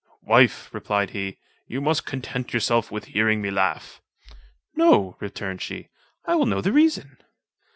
"Wife," replied he, "you must content yourself with hearing me laugh." "No," returned she, "I will know the reason."